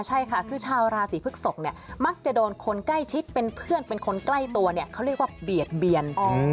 ใช่ค่ะคือชาวราศีพฤกษกเนี่ยมักจะโดนคนใกล้ชิดเป็นเพื่อนเป็นคนใกล้ตัวเนี่ยเขาเรียกว่าเบียดเบียน